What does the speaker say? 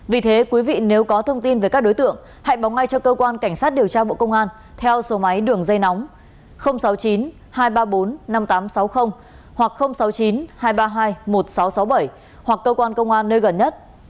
vì thế quý vị nếu có thông tin về các đối tượng hãy báo ngay cho cơ quan cảnh sát điều tra bộ công an theo số máy đường dây nóng sáu mươi chín hai trăm ba mươi bốn năm nghìn tám trăm sáu mươi hoặc sáu mươi chín hai trăm ba mươi hai một nghìn sáu trăm sáu mươi bảy hoặc cơ quan công an nơi gần nhất